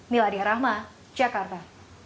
miladia rahma jakarta